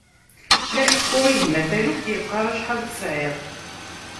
La ḥekkuɣ i gma taluft, yeqqar acḥal tesɛiḍ.